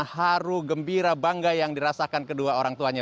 haru gembira bangga yang dirasakan kedua orang tuanya